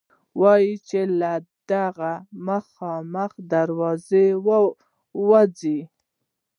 ویل یې له دغه مخامخ دروازه ووځه.